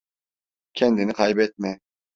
Kendini kaybetme.